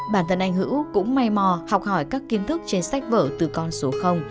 bản thân anh hữu cũng may mò học hỏi các kiến thức trên sách vở từ con số